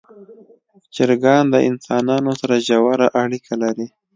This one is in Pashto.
چرګان د انسانانو سره ژوره اړیکه لري.